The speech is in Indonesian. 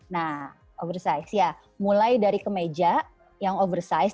nah oversize ya mulai dari kemeja yang oversize